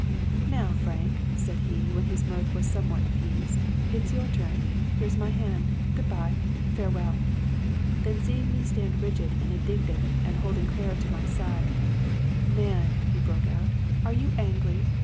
" Now, Frank," said he, when his mirth was somewhat appeased, "it's your turn. Here's my hand. Good bye, farewell I " Then, seeing me stand rigid and indignant, and holding Clara to my side —'* Man I " he broke out, " are you angry?